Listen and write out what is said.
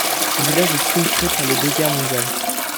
Le village est sinistré par les deux guerres mondiales.